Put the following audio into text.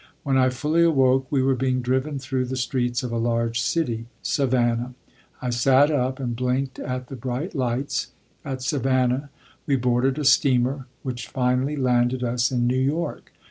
When I fully awoke, we were being driven through the streets of a large city Savannah. I sat up and blinked at the bright lights. At Savannah we boarded a steamer which finally landed us in New York.